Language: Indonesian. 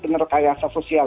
yang asal sosial